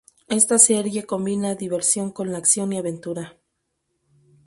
Esta serie combina diversión con la acción y aventura.